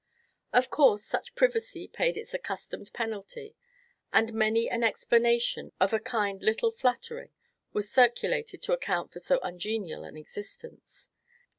Of course, such privacy paid its accustomed penalty; and many an explanation, of a kind little flattering, was circulated to account for so ungenial an existence.